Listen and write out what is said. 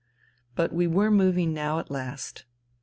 ... But we were moving now at last.